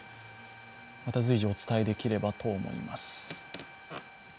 また随時お伝えできればと思います。